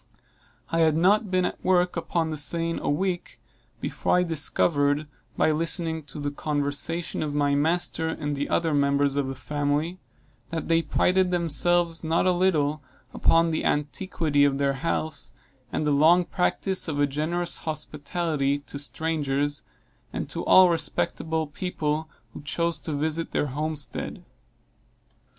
I had not been at work upon the seine a week before I discovered, by listening to the conversation of my master and the other members of the family, that they prided themselves not a little upon the antiquity of their house, and the long practice of a generous hospitality to strangers, and to all respectable people who chose to visit their homestead.